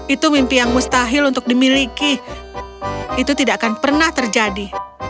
itu mimpi yang mustahil untuk dimiliki itu tidak akan pernah terjadi